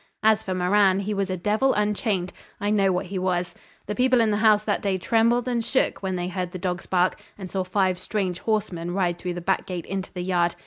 As for Moran, he was a devil unchained. I know what he was. The people in the house that day trembled and shook when they heard the dogs bark and saw five strange horsemen ride through the back gate into the yard.